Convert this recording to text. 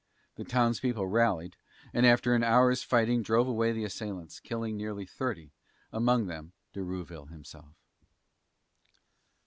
The townspeople rallied, and after an hour's fighting drove away the assailants, killing nearly thirty, among them De Rouville himself.